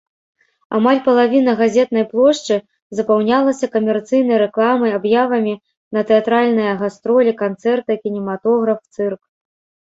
Амаль палавіна газетнай плошчы запаўнялася камерцыйнай рэкламай, аб'явамі на тэатральныя гастролі, канцэрты, кінематограф, цырк.